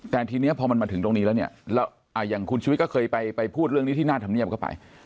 แต่ทีนี้พอมันมาถึงตรงนี้แล้วเนี่ยอย่างคุณชุวิตก็เคยไปพูดเรื่องนี้ที่หน้าธรรมเนียบเข้าไป